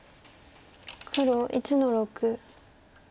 黒１の六。